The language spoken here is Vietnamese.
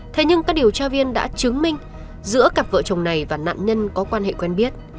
thế nhưng các điều tra viên đã chứng minh giữa cặp vợ chồng này và nạn nhân có quan hệ quen biết